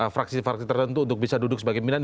fraksi fraksi tertentu untuk bisa duduk sebagai pimpinan